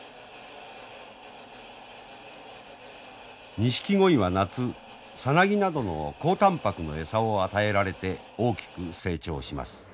ニシキゴイは夏サナギなどの高たんぱくの餌を与えられて大きく成長します。